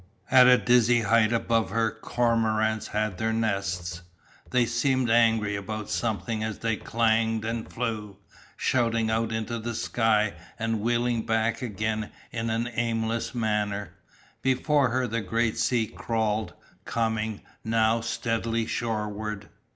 At a dizzy height above her cormorants had their nests, they seemed angry about something as they clanged and flew, shooting out into the sky and wheeling back again in an aimless manner. Before her the grey sea crawled, coming, now, steadily shoreward.